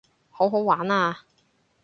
好好玩啊